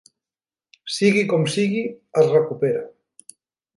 Sigui com sigui, es recupera.